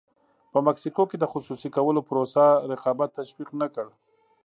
په مکسیکو کې د خصوصي کولو پروسه رقابت تشویق نه کړ.